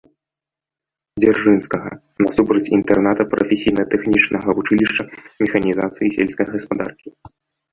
Дзяржынскага, насупраць інтэрната прафесійна-тэхнічнага вучылішча механізацыі сельскай гаспадаркі.